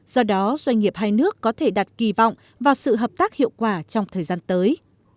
do đó doanh nghiệp hai nước có thể đặt kỳ vọng vào sự hợp tác hiệu quả trong thời gian tới